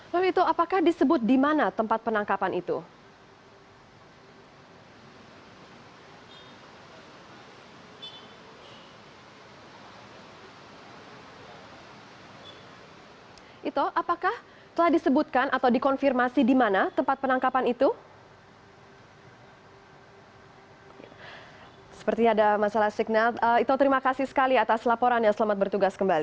lalu itu apakah disebut dimana tempat penangkapan itu